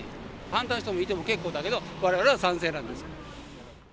反対の人もいても結構だけど、われわれは賛成なんです。